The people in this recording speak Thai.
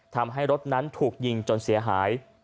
ทำให้รถนั้นถูกยิงจนเสียหาย